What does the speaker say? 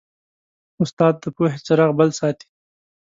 استاد د پوهې څراغ بل ساتي.